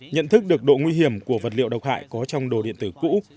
nhận thức được độ nguy hiểm của vật liệu độc hại có trong đồ điện tử cũ